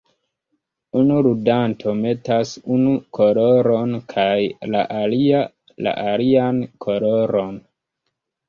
Unu ludanto metas unu koloron kaj la alia la alian koloron.